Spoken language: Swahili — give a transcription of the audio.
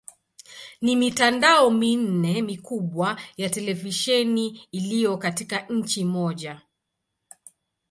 Ni mitandao minne mikubwa ya televisheni iliyo katika nchi moja.